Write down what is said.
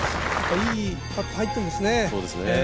いいパット入ってるんですね。